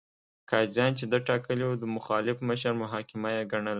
قاضیان چې ده ټاکلي وو، د مخالف مشر محاکمه یې ګڼله.